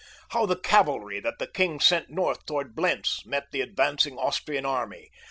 How the cavalry that the king sent north toward Blentz met the advancing Austrian army.